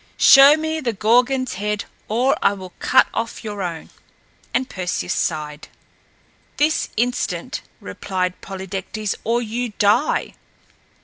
"Show me the Gorgon's head or I will cut off your own!" And Perseus sighed. "This instant," repeated Polydectes, "or you die!"